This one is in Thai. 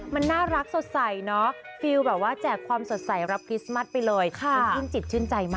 บางทีเป็นน่าจะรอต่อคิวไปรับเยอะนะ